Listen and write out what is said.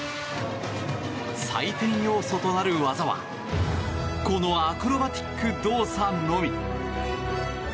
採点要素となる技はこのアクロバティック動作のみ。